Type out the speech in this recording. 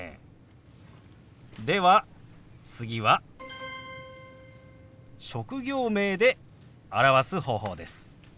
では次は職業名で表す方法です。